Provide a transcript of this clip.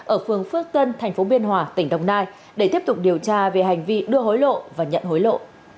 ở phường phước tân tp biên hòa tỉnh đồng nai để tiếp tục điều tra về hành vi đưa hối lộ và nhận hối lộ